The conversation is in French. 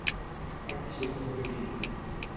Axiome d’Euclide.